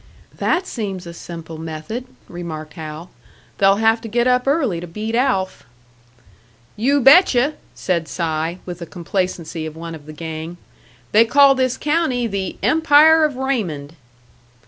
"That seems a simple method," remarked Hal. "They'll have to get up early to beat Alf." "You bet you!" said Si, with the complacency of one of the gang. "They call this county the 'Empire of Raymond.'"